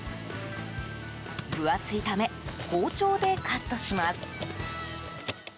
分厚いため包丁でカットします。